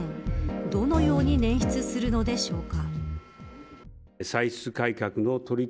どのようにねん出するのでしょうか。